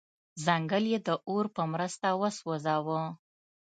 ځنګل یې د اور په مرسته وسوځاوه.